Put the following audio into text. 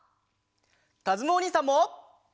かずむおにいさんも。